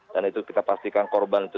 dan itu kita pastikan korban itu